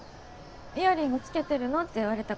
イヤリングつけてるの？って言われたから